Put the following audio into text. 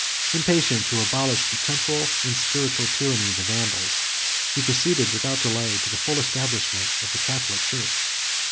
24 Impatient to abolish the temporal and spiritual tyranny of the Vandals, he proceeded, without delay, to the full establishment of the Catholic church.